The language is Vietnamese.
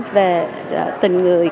về tình người